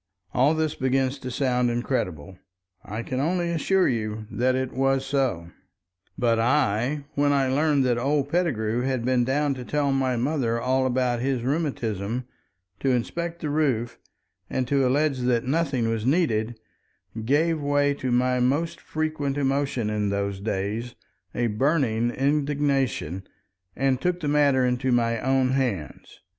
All this begins to sound incredible. I can only assure you that it was so. But I, when I learned that old Pettigrew had been down to tell my mother all about his rheumatism, to inspect the roof, and to allege that nothing was needed, gave way to my most frequent emotion in those days, a burning indignation, and took the matter into my own hands.